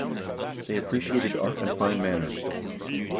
They appreciated art and fine manners.